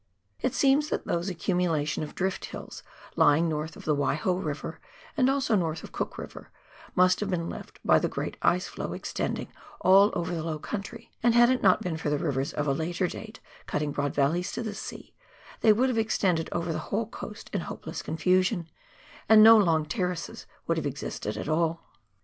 It seems that those accumulations of drift hills, lying north of the Waiho River and also north of Cook Hiver, must have been left by the great ice flow extending all over the low country ; and had it not been for the rivers of a later date, cutting broad valleys to the sea, they would have extended over the whole coast in hopeless confusion, and no long terraces would have existed at all.